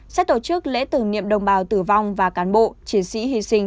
sẽ tổ chức lễ tưởng niệm đồng bào tử vong và cán bộ chiến sĩ hy sinh